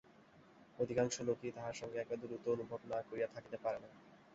অধিকাংশ লোকই তাহার সঙ্গে একটা দূরত্ব অনুভব না করিয়া থাকিতে পারে না।